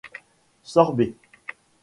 Sorbet !